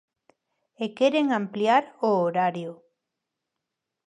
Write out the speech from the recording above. E queren ampliar o horario.